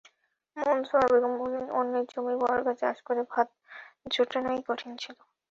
মনসুরা বেগম বললেন, অন্যের জমি বর্গা চাষ করে ভাত জোটানোই কঠিন ছিল।